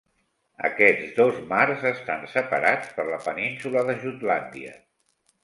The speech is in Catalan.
Aquests dos mars estan separats per la Península de Jutlàndia.